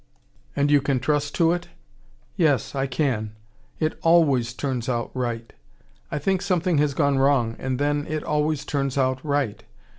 "And you can trust to it?" "Yes, I can. It ALWAYS turns out right. I think something has gone wrong and then, it always turns out right.